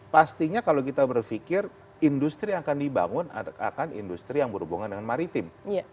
pastinya kalau kita berpikir industri yang akan dibangun akan industri yang berhubungan dengan maritim